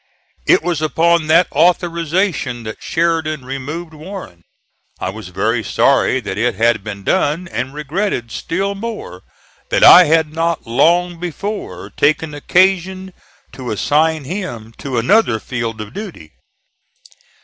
It was upon that authorization that Sheridan removed Warren. I was very sorry that it had been done, and regretted still more that I had not long before taken occasion to assign him to another field of duty.